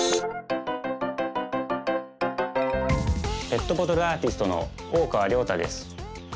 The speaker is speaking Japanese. ペットボトルアーティストの大川良太です。